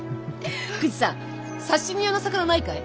福治さん刺身用の魚ないかい？